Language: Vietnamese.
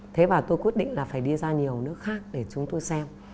thế và tôi quyết định là phải đi ra nhiều nước khác để chúng tôi xem